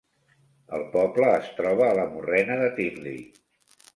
El poble es troba a la morrena de Tinley.